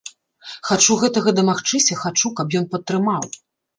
Хачу гэтага дамагчыся, хачу, каб ён падтрымаў.